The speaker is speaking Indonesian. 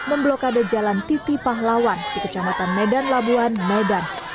memblokade jalan titi pahlawan di kecamatan medan labuan medan